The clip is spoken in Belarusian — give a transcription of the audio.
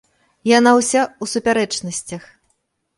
Яна ўся ў супярэчнасцях.